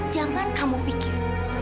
jangan kamu pikir